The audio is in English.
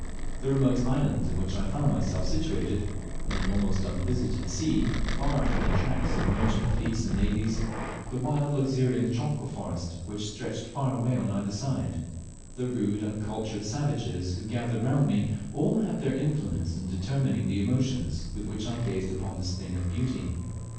The remote island in which I found myself situated, in an almost unvisited sea, far from the tracks of merchant fleets and navies; the wild luxuriant tropical forest, which stretched far away on every side; the rude uncultured savages who gathered round me, all had their influence in determining the emotions with which I gazed upon this "thing of beauty."